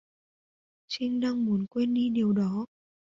Trinh đang muốn quên đi điều đó